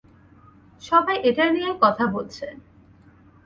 সবাই এটা নিয়েই কথা বলছে।